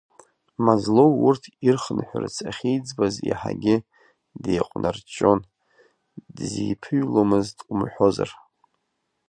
Мазлоу урҭ ирхынҳәырц ахьиӡбаз иаҳагьы деиҟәнарҷҷон, дзиԥыҩломызт умҳәозар.